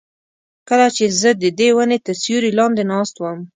کله چې زه ددې ونې تر سیوري لاندې ناست وم.